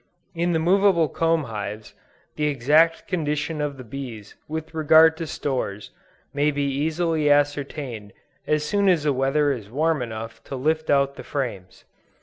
In the movable comb hives, the exact condition of the bees with regard to stores, may be easily ascertained as soon as the weather is warm enough to lift out the frames.